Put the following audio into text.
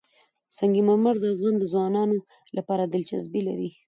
سنگ مرمر د افغان ځوانانو لپاره دلچسپي لري.